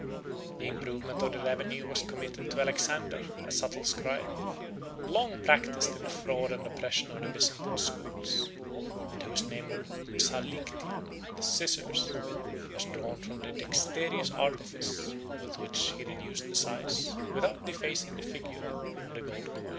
The improvement of the revenue was committed to Alexander, a subtle scribe, long practised in the fraud and oppression of the Byzantine schools, and whose name of Psalliction, the scissors, 9 was drawn from the dexterous artifice with which he reduced the size without defacing the figure, of the gold coin.